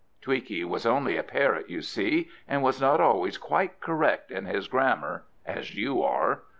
Tweaky was only a parrot, you see, and was not always quite correct in his grammar, as you are.